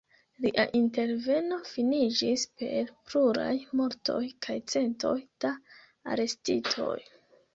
Lia interveno finiĝis per pluraj mortoj kaj centoj da arestitoj.